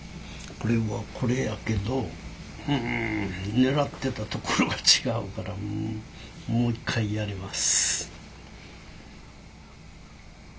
これはこれやけど狙ってたところが違うからもう一回やります。